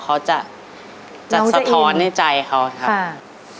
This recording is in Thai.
เขาจะจะสะท้อนในใจเขาครับ